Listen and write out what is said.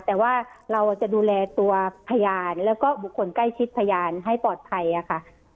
แต่ว่าเราจะดูแลตัวพยานแล้วก็บุคคลใกล้ชิดพยานให้ปลอดภัยค่ะ